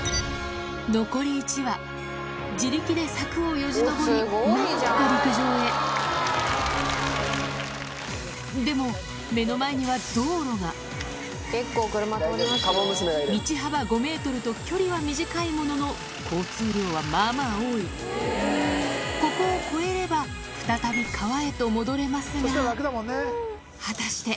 残り１羽自力で柵をよじ登り何とか陸上へでも目の前には道幅５ｍと距離は短いものの交通量はまぁまぁ多いここを越えれば再び川へと戻れますが果たして？